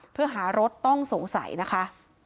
เพื่อหารถต้องสงสัยนะคะ